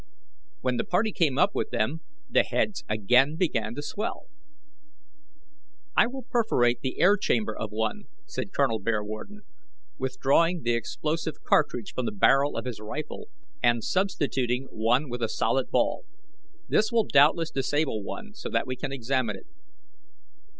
When the party came up with them the heads again began to swell. "I will perforate the air chamber of one," said Col. Bearwarden, withdrawing the explosive cartridge from the barrel of his rifle and substituting one with a solid ball. "This will doubtless disable one so that we can examine it."